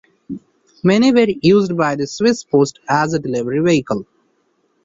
Many were used by the Swiss Post as a delivery vehicle.